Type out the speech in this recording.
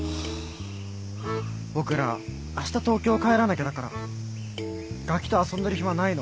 僕らあした東京帰らなきゃだからガキと遊んでる暇ないの。